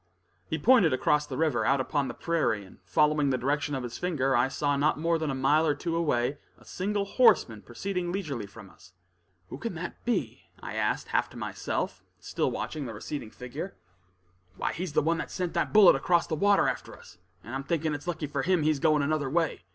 He pointed across the river, out upon the prairie; and following the direction of his finger, I saw not more than a mile or two away a single horseman proceeding leisurely from us. "Who can that be?" I asked half to myself, still watching the receding figure. "Why he's the one that sent that bullet across the water after us, and I'm thinking it's lucky for him, he's going another way.